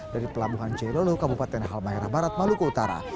dari pelabuhan jailolo kabupaten halmahera barat maluku utara